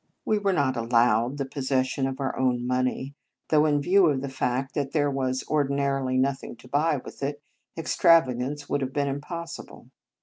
We were not allowed the posses sion of our own money, though in view of the fact that there was ordinarily nothing to buy with it, extravagance would have been impossible.